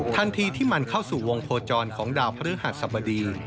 ทันทีที่มันเข้าสู่วงโคจรของดาวพฤหัสสบดี